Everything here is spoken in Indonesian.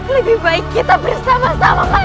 lebih baik kita bersama sama ngeri rai